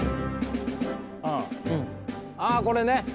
あこれね！